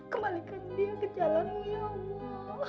kembalikan dia ke jalanmu ya allah